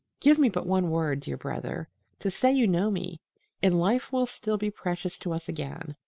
Give me but one word, dear brother, to say you know me, and life will still be precious to us again."